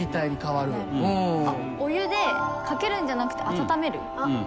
お湯でかけるんじゃなくて温める。